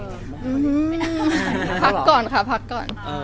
อื้อหือพักก่อนค่ะพักก่อน